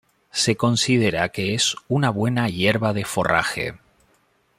Se considera que es una buena hierba de forraje.